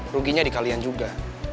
ruginya di kalian juga